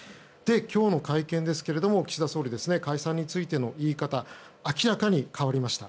今日の会見ですが、岸田総理解散についての言い方明らかに変わりました。